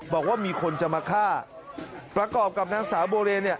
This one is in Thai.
บอกว่ามีคนจะมาฆ่าประกอบกับนางสาวโบเรนเนี่ย